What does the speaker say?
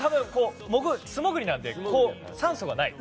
素潜りなんで酸素がない。